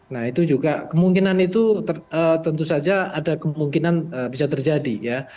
nah itu juga kemungkinan itu tentu saja ada kemungkinan bisa terjadi ya